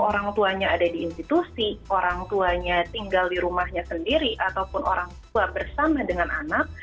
orang tuanya ada di institusi orang tuanya tinggal di rumahnya sendiri ataupun orang tua bersama dengan anak